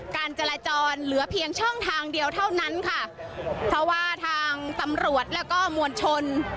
การจราจรเหลือเพียงช่องทางเดียวเท่านั้นค่ะเพราะว่าทางตำรวจแล้วก็มวลชน